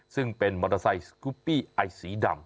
ซึ่งเป็นมอเตอร์ไซค์สกุปปี้ไอสีดำ